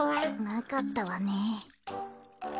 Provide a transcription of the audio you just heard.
なかったわね。